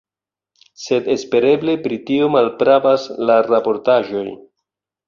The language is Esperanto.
Sed espereble pri tio malpravas la raportaĵoj.